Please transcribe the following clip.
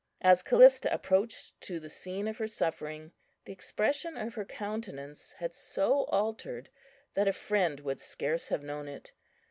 As Callista approached to the scene of her suffering, the expression of her countenance had so altered that a friend would scarce have known it.